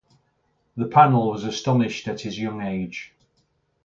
The panel was astonished at his young age.